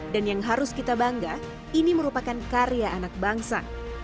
dan yang harus kita bangga ini merupakan karya anak bangsa